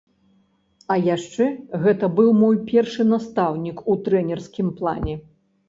А яшчэ гэта быў мой першы настаўнік у трэнерскім плане.